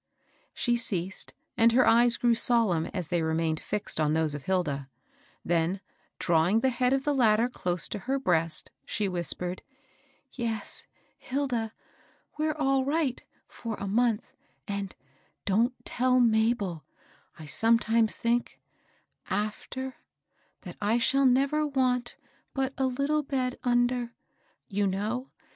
She ceased, and her eyes grew solemn ^as they remained fixed on those of Hilda ; then, drawing the head of the latter close to her breast, she whis pered: —" Yes, Hilda, we're all right for a month, and — but don't tell Mabel — I sometimes think, c^ier that I shall never want but a little bed under — you know?